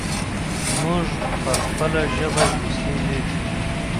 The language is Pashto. موږ په خپله ژبه کیسې لیکو.